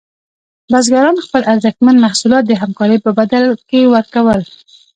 بزګران خپل ارزښتمن محصولات د همکارۍ په بدل کې ورکول.